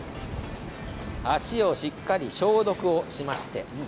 足をしっかり消毒をしまして。